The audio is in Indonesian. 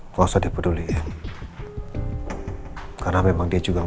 nggak usah dipeduliin karena memang dia juga